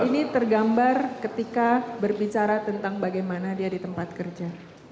ini tergambar ketika berbicara tentang bagaimana dia di tempat kerja